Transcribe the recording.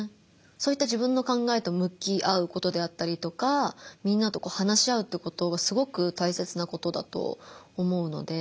そういった自分の考えと向き合うことであったりとかみんなと話し合うってことがすごく大切なことだと思うので。